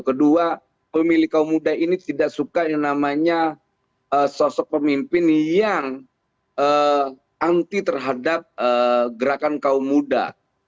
kedua pemilih kaum muda ini tidak suka yang namanya sosok pemimpin yang anti terhadap gerakan kaum muda